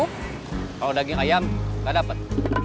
kalau daging ayam gak dapet